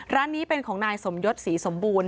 ร้านนี้เป็นของนายสมยศศรีสมบูรณ